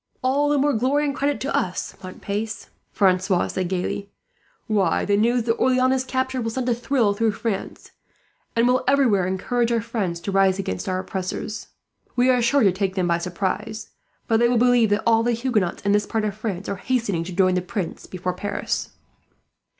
"All the more glory and credit to us, Montpace," Francois said gaily. "Why, the news that Orleans is captured will send a thrill through France, and will everywhere encourage our friends to rise against our oppressors. We are sure to take them by surprise, for they will believe that all the Huguenots in this part of France are hastening to join the Prince before Paris."